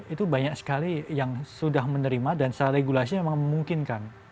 itu banyak sekali yang sudah menerima dan secara regulasi memang memungkinkan